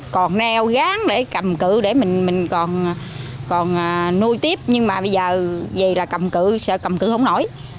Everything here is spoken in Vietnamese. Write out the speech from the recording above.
còn neo gán để cầm cự để mình còn nuôi tiếp nhưng mà bây giờ về là cầm cự sợ cầm cự không nổi